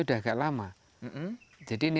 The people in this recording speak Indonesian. udah agak lama jadi ini